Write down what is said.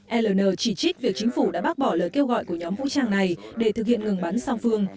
al chỉ trích việc chính phủ đã bác bỏ lời kêu gọi của nhóm vũ trang này để thực hiện ngừng bắn song phương